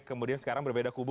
kemudian sekarang berbeda kubu